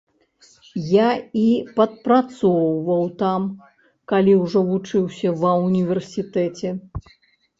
Я і падпрацоўваў там, калі ўжо вучыўся ва ўніверсітэце.